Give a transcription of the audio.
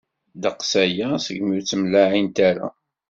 Ddeqs aya segmi ur ttemlaɛint ara.